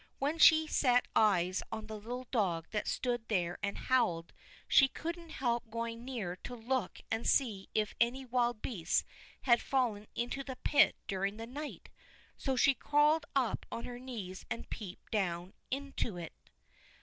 When she set eyes on the little dog that stood there and howled, she couldn't help going near to look and see if any wild beasts had fallen into the pit during the night. So she crawled up on her knees and peeped down into it.